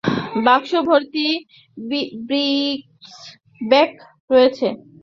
বাক্স ভর্তি ব্রিকলব্যাক রয়েছে!